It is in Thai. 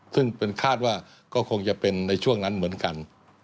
ซึ่งเป็นคาดว่าก็คงจะเป็นในช่วงนั้นเหมือนกัน